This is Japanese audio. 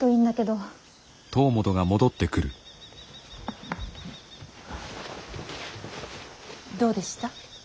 どうでした。